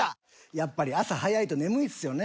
やっぱり朝早いと眠いっすよね